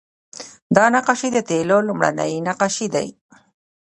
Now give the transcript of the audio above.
دا نقاشۍ د تیلو لومړنۍ نقاشۍ دي